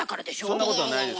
そんなことはないですよ。